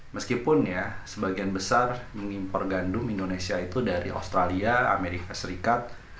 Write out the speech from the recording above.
meskipun ya sebagian besar mengimpor gandum indonesia itu dari australia amerika serikat